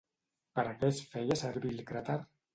Per a què es feia servir el crater?